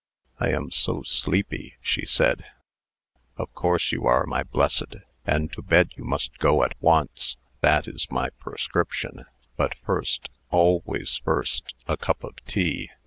"I am so sleepy," she said. "Of course you are, my blessed; and to bed you must go at once. That is my prescription. But, first always first a cup of tea."